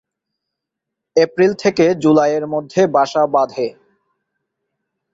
April থেকে জুলাইয়ের মধ্যে বাসা বাঁধে।